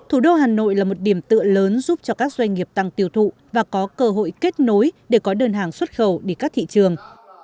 thủ đô hà nội là một điểm tựa lớn giúp cho các doanh nghiệp tăng tiêu thụ và có cơ hội kết nối để có đơn hàng xuất khẩu đi các thị trường